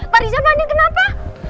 pak ria buangin kenapa